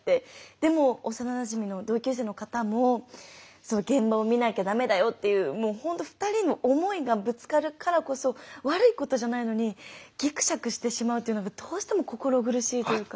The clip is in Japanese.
でも幼なじみの同級生の方も現場を見なきゃ駄目だよっていうもうほんと２人の思いがぶつかるからこそ悪いことじゃないのにぎくしゃくしてしまうっていうのがどうしても心苦しいというか。